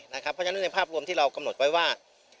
เพราะฉะนั้นในภาพรวมที่เรากำหนดไว้ว่า